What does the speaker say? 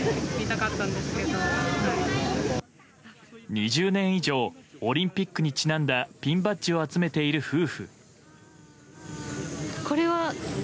２０年以上オリンピックにちなんだピンバッジを集めている夫婦。